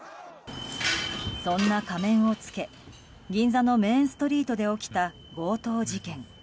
そんな仮面を着け銀座のメインストリートで起きた強盗事件。